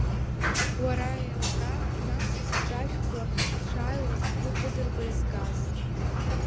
Уара еилкаа, нас, сызҿажәкуа, сшааиуаз, сгәы кыдырба изгаз.